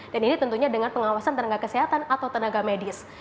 dan ini tentunya dengan pengawasan tenaga kesehatan atau tenaga medis